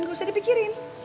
gak usah dipikirin